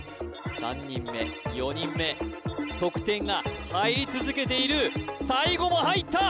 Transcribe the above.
３人目４人目得点が入り続けている最後も入った！